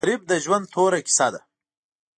غریب د ژوند توره کیسه ده